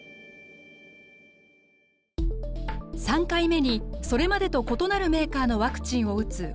３回目にそれまでと異なるメーカーのワクチンを打つ